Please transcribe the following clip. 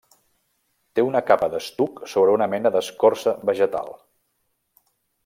Té una capa d'estuc sobre una mena d'escorça vegetal.